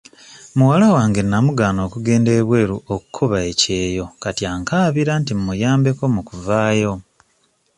Muwala wange namugaana okugenda ebweru okkuba ekyeyo kati ankaabira nti mmuyambeko mu kuvaayo.